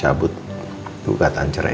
kamu apa yang nganggil semua kolo